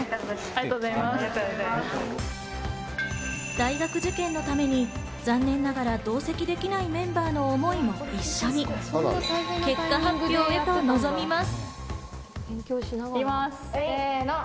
大学受験のために残念ながら同席できないメンバーの思いも一緒に結果発表へと臨みます。